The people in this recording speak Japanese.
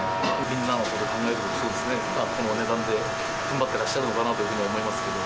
みんなことを考えると、この値段でふんばってらっしゃるのかなというふうに思いますけど。